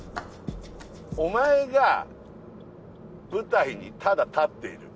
「お前が舞台にただ立っている。